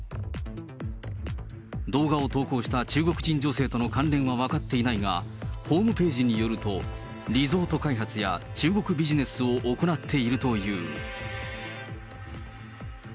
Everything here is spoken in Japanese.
動画を投稿した中国人女性との関連は分かっていないが、ホームページによると、リゾート開発や中国ビジネスを行っているという。